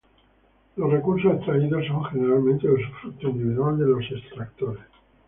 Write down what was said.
Los recursos extraídos son generalmente de usufructo individual de los extractores.